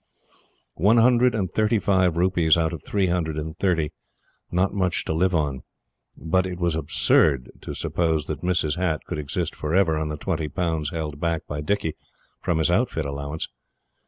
One hundred and thirty five rupees out of three hundred and thirty is not much to live on; but it was absurd to suppose that Mrs. Hatt could exist forever on the 20 pounds held back by Dicky, from his outfit allowance.